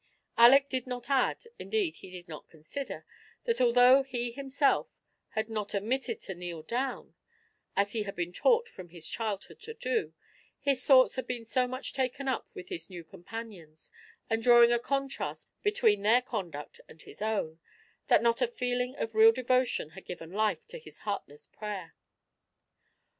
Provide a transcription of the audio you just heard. Aleck did not add — indeed, he did not consider, that although he himself had not omitted to kneel down, as he had been taught from his childhood to do, his thoughts had been so much taken up with his new companions, and drawing a contrast between their conduct and his own, that not a feeling of real devotion had given life to his heartless prayer.